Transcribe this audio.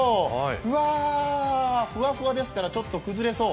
うわ、ふわふわですからちょっと崩れそう。